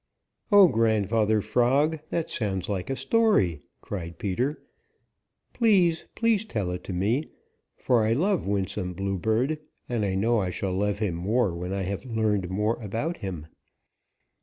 "Oh, Grandfather Frog, that sounds like a story," cried Peter. "Please, please tell it to me, for I love Winsome Bluebird, and I know I shall love him more when I have learned more about him.